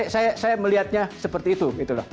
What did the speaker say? saya melihatnya seperti itu